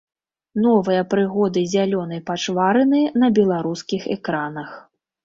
Новыя прыгоды зялёнай пачварыны на беларускіх экранах.